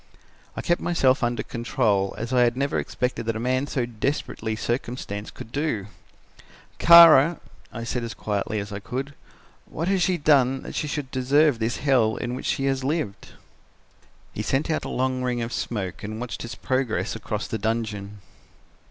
"I kept myself under control as I had never expected that a man so desperately circumstanced could do. "'Kara,' I said as quietly as I could, 'what has she done that she should deserve this hell in which she has lived?' "He sent out a long ring of smoke and watched its progress across the dungeon.